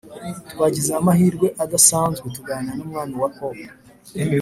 twagize amahirwe adasanzwe tuganira numwami wa pop